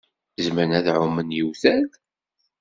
Zemren ad ɛummen yewtal?